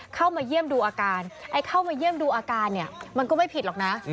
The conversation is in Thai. เข้ามาเยี่ยมดูอาการไอ้เข้ามาเยี่ยมดูอาการเนี่ยมันก็ไม่ผิดหรอกนะ